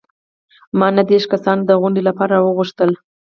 ما نهه دیرش کسان د غونډې لپاره راوغوښتل.